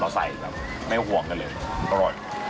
เราใส่ไม่ห่วงกันเลยอร่อย